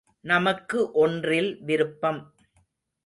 நமக்கு ஒன்றில் விருப்பம்.